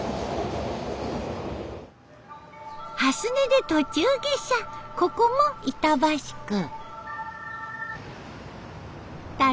蓮根で途中下車ここも板橋区。